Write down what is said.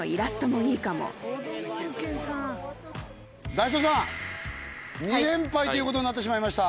ダイソーさん２連敗という事になってしまいました。